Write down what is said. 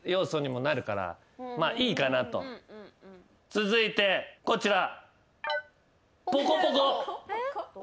続いてこちら。